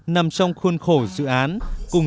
nằm trong khuôn khổ dự án